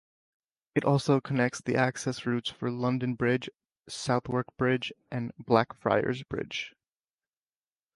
It also connects the access routes for London Bridge, Southwark Bridge and Blackfriars Bridge.